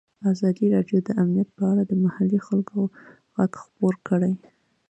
ازادي راډیو د امنیت په اړه د محلي خلکو غږ خپور کړی.